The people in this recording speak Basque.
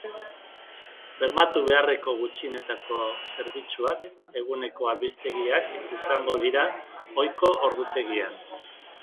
Bermatu beharreko gutxieneko zerbitzuak eguneko albistegiak izango dira, ohiko ordutegian.